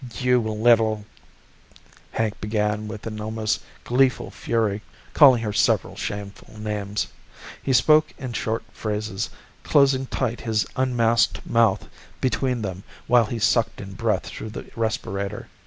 "You little " Hank began with an almost gleeful fury, calling her several shameful names. He spoke in short phrases, closing tight his unmasked mouth between them while he sucked in breath through the respirator.